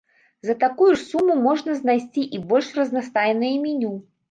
За такую ж суму можна знайсці і больш разнастайнае меню.